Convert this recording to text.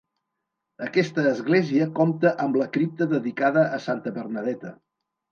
Aquesta església compta amb la cripta dedicada a Santa Bernadeta.